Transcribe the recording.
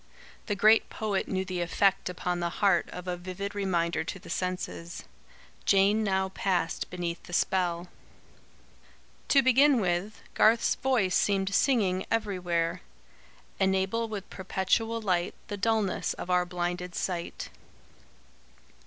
the great poet knew the effect upon the heart of a vivid reminder to the senses. Jane now passed beneath the spell. To begin with, Garth's voice seemed singing everywhere: "Enable with perpetual light The dulness of our blinded sight."